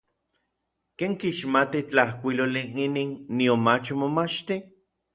¿Ken kixmati tlajkuiloli n inin, nionmach omomachtij?